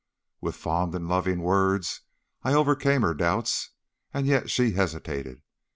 "With fond and loving words I overcame her doubts, and yet she hesitated.